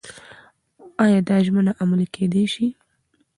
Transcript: ایا دا ژمنه عملي کېدای شي؟